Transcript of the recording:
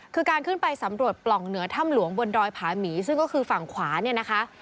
คือการขึ้นไปสำรวจปล่องเหนือถ้ำหลวงบนดอยผาหมีซึ่งก็คือฝั่งขวาเนี่ยนะคะ